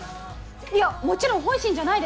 いやもちろん本心じゃないです。